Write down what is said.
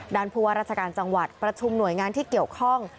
ผู้ว่าราชการจังหวัดประชุมหน่วยงานที่เกี่ยวข้อง